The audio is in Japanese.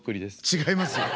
違いますよ。